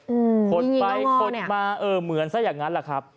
อืมยังไงก็ง่อนอ่ะคดไปคดมาเหมือนซะอย่างนั้นแหละครับ